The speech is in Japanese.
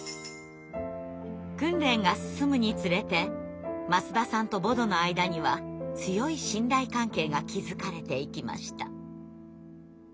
訓練が進むにつれて舛田さんとボドの間には強い信頼関係が築かれていきました。